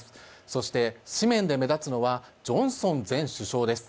そして紙面で目立つのはジョンソン前首相です。